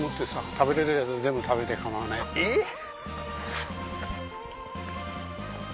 食べれるやつ全部食べてかまわないえっ？